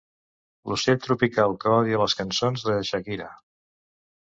L'ocell tropical que odia les cançons de Shakira.